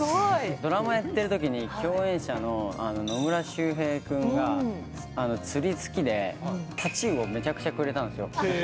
ドラマやってるときに共演者の野村周平君が釣り好きで、太刀魚をめちゃくちゃくれたんですよ。